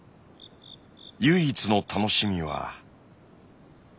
唯一の楽しみは。